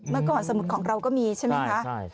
เมื่อก่อนสมุดของเราก็มีใช่ไหมคะ